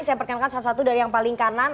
saya perkenalkan salah satu dari yang paling kanan